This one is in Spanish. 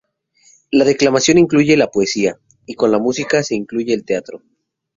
La declamación incluye la poesía, y con la música se incluye el teatro.